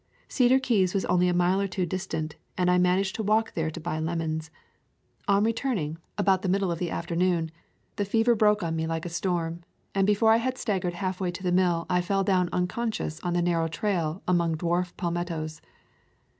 Cedar Keys was only a mile or two dis tant, and I managed to walk there to buy lemons. On returning, about the middle of the [ 127 ] A Thousand Mile Walk afternoon, the fever broke on me like a storm, and before I had staggered halfway to the mill T fell down unconscious on the narrow trail among dwarf palmettos.